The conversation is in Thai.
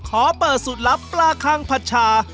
ขอเปิดสูตรลับปลาคังผัดชา